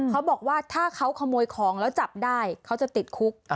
เขาบอกว่าถ้าเขาขโมยของแล้วจับได้เขาจะติดคุก